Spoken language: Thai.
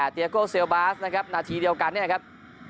เตียโก้เซลบาสนะครับนาทีเดียวกันเนี่ยครับ